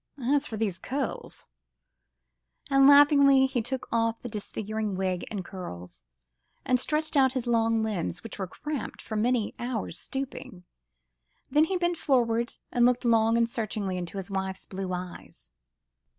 As for these curls ..." And laughingly he took off the disfiguring wig and curls, and stretched out his long limbs, which were cramped from many hours' stooping. Then he bent forward and looked long and searchingly into his wife's blue eyes.